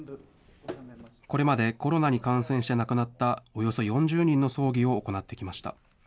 これまで、コロナに感染して亡くなったおよそ４０人の葬儀を行ってきました。